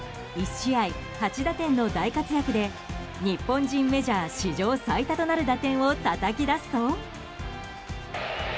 １試合８打点の大活躍で日本人メジャー史上最多となる打点をたたき出すと。